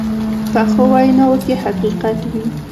پخو ویناوو کې حقیقت وي